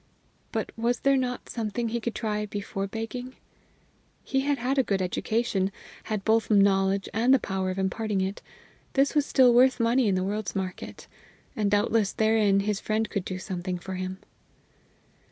But was there not something yet he could try before begging? He had had a good education, had both knowledge and the power of imparting it; this was still worth money in the world's market. And doubtless therein his friend could do something for him.